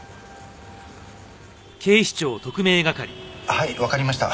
はいわかりました。